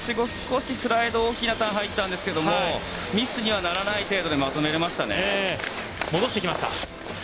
スライド大きなターンに入ったんですけどミスにはならない程度でまとめました。